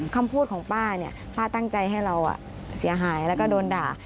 คำพูดของป้าเนี่ยป้าตั้งใจให้เราเสียหายแล้วก็โดนด่า